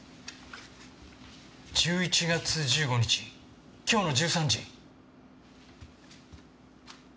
１１月１５日今日の１３時。